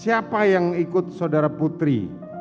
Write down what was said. siapa yang ikut saudara putri